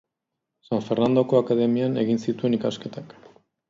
San Fernandoko Akademian egin zituen ikasketak.